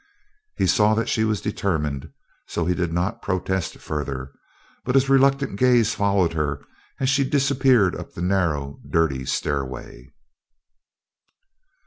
He saw that she was determined, so he did not protest further, but his reluctant gaze followed her as she disappeared up the narrow dirty stairway.